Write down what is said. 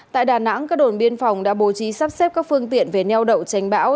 tại đà nẵng các đồn biên phòng đã bố trí sắp xếp các phương tiện về neo đậu tránh bão